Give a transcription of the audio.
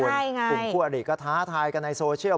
กลุ่มคู่อริก็ท้าทายกันในโซเชียล